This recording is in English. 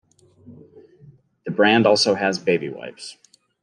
The brand also has baby wipes.